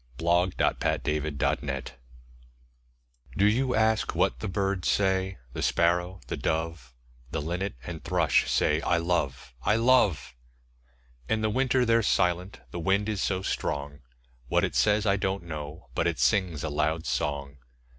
ANSWER TO A CHILD'S QUESTION[386:1] Do you ask what the birds say? The Sparrow, the Dove, The Linnet and Thrush say, 'I love and I love!' In the winter they're silent the wind is so strong; What it says, I don't know, but it sings a loud song.